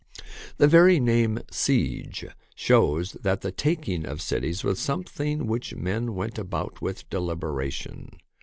The very name " siege " shows that the taking of cities was something which men went about with deliberation.